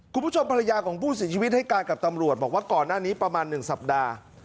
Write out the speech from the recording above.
คุณผู้ชมภรรยาของผู้เสียชีวิตให้การกับตำรวจบอกว่าก่อนหน้านี้ประมาณ๑สัปดาห์